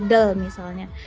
dengan idol misalnya